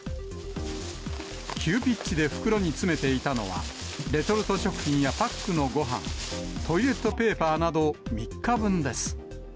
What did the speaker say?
急ピッチで袋に詰めていたのは、レトルト食品やパックのごはん、トイレットペーパーなど３日分です。